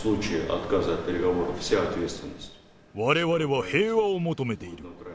われわれは平和を求めている。